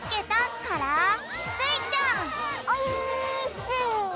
オィーッス！